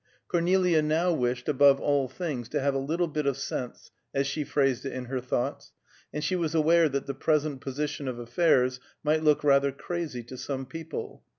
Cornelia now wished, above all things, to have a little bit of sense, as she phrased it in her thoughts; and she was aware that the present position of affairs might look rather crazy to some people.